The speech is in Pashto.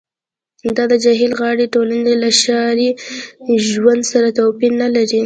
دا د جهیل غاړې ټولنې له ښاري ژوند سره توپیر نلري